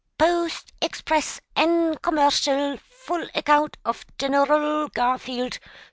"Post, Express, an' Commercial full account of Gen er ull Garfield!"